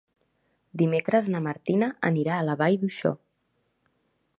Dimecres na Martina anirà a la Vall d'Uixó.